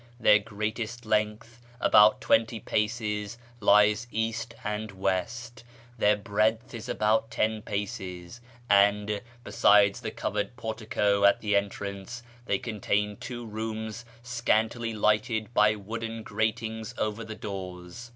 Their greatest length (about twenty paces) lies east and west ; their breadth is about ten paces ; and, besides the covered portico at the entrance, they contain two rooms scantily lighted by wooden gratings over the doors.